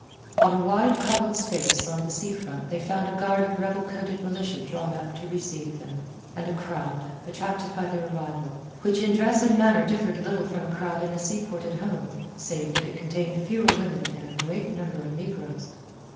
On a wide cobbled space on the sea front they found a guard of red coated militia drawn up to receive them, and a crowd attracted by their arrival which in dress and manner differed little from a crowd in a seaport at home save that it contained fewer women and a great number of negroes.